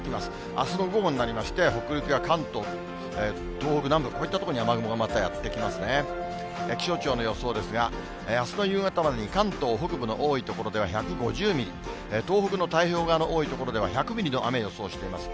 あすの午後になりまして、北陸や関東、東北南部、こういった所に雨雲がまたやって来ますね。気象庁の予想ですが、あすの夕方までに関東北部の多い所では１５０ミリ、東北の太平洋側の多い所では１００ミリの雨を予想しています。